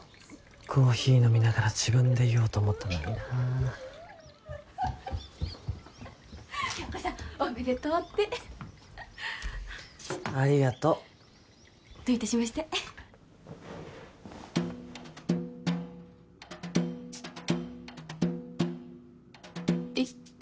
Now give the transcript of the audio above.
コーヒー飲みながら自分で言おうと思ったのにな響子さん「おめでとう」ってありがとうどういたしましてえっ